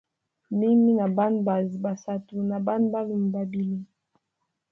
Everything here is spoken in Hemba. Mimi ni na Bana bazi ba satu na Bana balume babili.